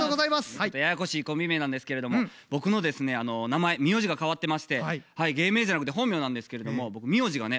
ややこしいコンビ名なんですけれども僕の名前名字が変わってまして芸名じゃなくて本名なんですけれども名字がね